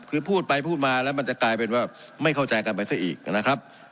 คือพูดไปพูดมาแล้วมันจะกลายเป็นว่าไม่เข้าใจกันไปซะอีกนะครับ